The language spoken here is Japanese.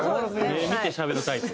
目見てしゃべるタイプ。